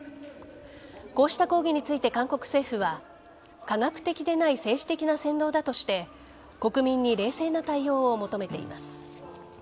こうした抗議について韓国政府は科学的でない政治的な扇動だとして国民に冷静な対応を求めています。